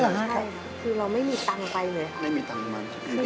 เราไม่มีแต่ตังไปเลยครับ